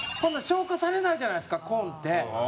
消化されないじゃないですかコーンって。